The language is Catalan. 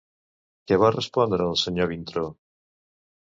Què va respondre el senyor Vintró?